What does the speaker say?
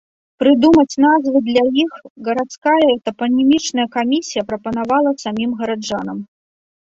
Прыдумаць назвы для іх гарадская тапанімічная камісія прапанавала самім гараджанам.